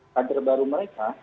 kaget baru mereka